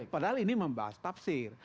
padahal ini membahas tafsir